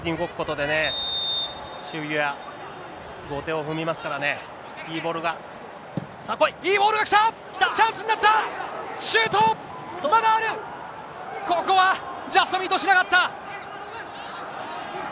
ここはジャストミートしなかった。